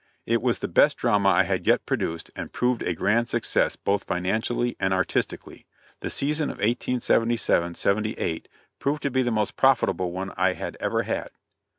It was the best drama I had yet produced, and proved a grand success both financially and artistically. The season of 1877 78 proved to be the most profitable one I had ever had.